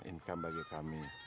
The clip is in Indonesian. income bagi kami